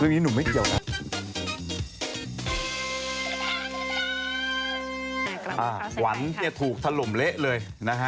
ไม่รู้เดี๋ยวชอบน้ำมา